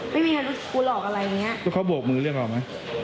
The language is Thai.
ไม่มีใครรู้คุณหลอกอะไรอย่างเงี้ยก็เขาบวกมือเรียกเอาไหม